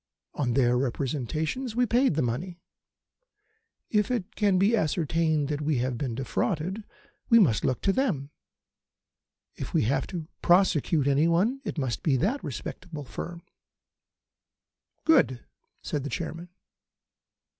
On their representations we paid the money. If it can be ascertained that we have been defrauded we must look to them. If we have to prosecute anybody it must be that respectable firm." "Good," said the Chairman.